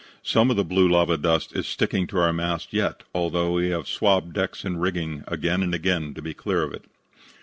Some of the blue lava dust is sticking to our mast yet, although we have swabbed decks and rigging again and again to be clear of it.